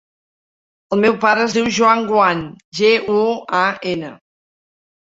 El meu pare es diu Joan Guan: ge, u, a, ena.